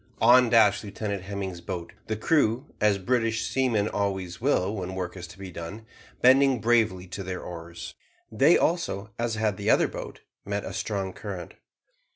On dashed Lieutenant Hemming's boat, the crew, as British seamen always will when work is to be done, bending bravely to their oars. They also, as had the other boat, met a strong current.